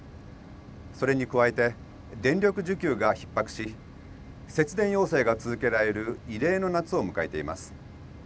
それに加えて電力需給がひっ迫し節電要請が続けられる異例の夏を迎えています。